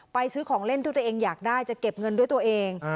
ซื้อของเล่นที่ตัวเองอยากได้จะเก็บเงินด้วยตัวเอง